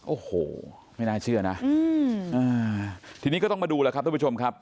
โอ้โหไม่น่าเชื่อนะทีนี้ก็ต้องมาดูแล้วครับท่านผู้ชมครับ